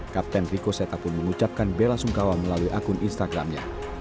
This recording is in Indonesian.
kapten rico seta pun mengucapkan bela sungkawa melalui akun instagramnya